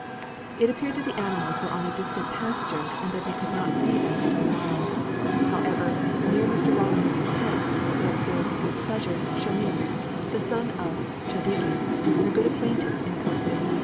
It appeared that the animals were on a distant pasture and that they could not see them until the morrow. However, near Mr. Rawlinson's tent they observed with pleasure Chamis, the son of Chadigi, their good acquaintance in Port Said.